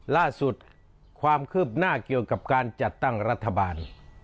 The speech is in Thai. ล่าสุดความคืบหน้าเกี่ยวกับการจัดตั้งรัฐบาล